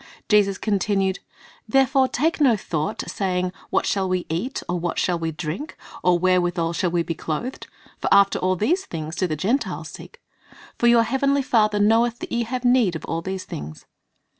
Jesus continued: "Therefore take no thought, saying, What shall we eat ? or, What shall we drink ? or. Wherewithal shall we be clothed ? (for after all these things do the Gentiles seek:) for your Heavenly Father knoweth that ye have need of all these things."